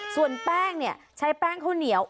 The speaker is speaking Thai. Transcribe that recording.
ส่วนแป้งเนี่ยใช้แป้งข้าวเหนียว